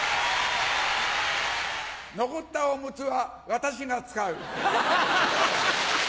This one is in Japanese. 残ったオムツは私が使う。